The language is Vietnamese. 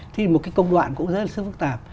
thì một cái công đoạn cũng rất là sức phức tạp